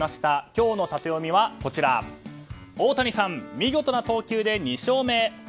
今日のタテヨミはオオタニサン見事な投球で２勝目。